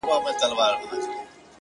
• د جانان د کوڅې لوری مو قبله ده ,